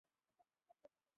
আমি কিছুই করি নি।